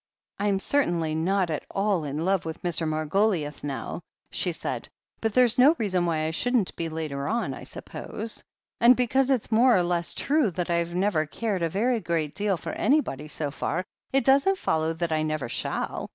"Fm certainly not at all in love with Mr. Margo liouth now," she said, "but there's no reason why I shouldn't be later on, I suppose. And because it's more or less true that I've never cared a very great deal for anybody so far, it doesn't follow that I never shall.